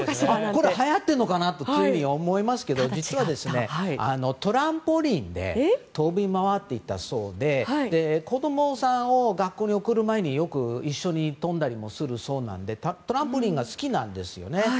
これ、はやってるのかな？と思いますけども実はトランポリンで跳び回っていたそうで子供さんを学校に送る前によく一緒に跳んだりするそうなんでトランポリンが好きなんですよね。